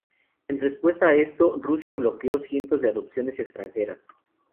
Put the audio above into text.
En respuesta a esto, Rusia bloqueó cientos de adopciones extranjeras.